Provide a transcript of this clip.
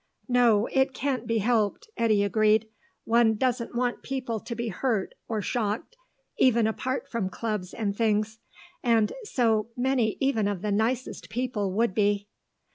"No, it can't be helped," Eddy agreed. "One doesn't want people to be hurt or shocked, even apart from clubs and things; and so many even of the nicest people would be."